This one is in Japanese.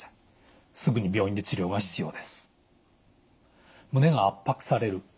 すぐに病院で治療が必要です。